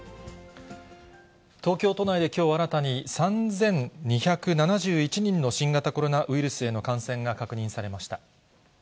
東京都内できょう新たに３２７１人の新型コロナウイルスへの感染が確認されました。